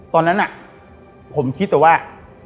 ตอนนั้นผมคิดแต่ว่า